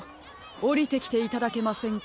おりてきていただけませんか？